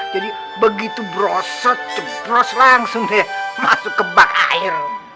jadi begitu brosot tuh bros langsung deh masuk ke bak air